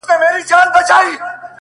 خو دا لمر بيا په زوال د چا د ياد ـ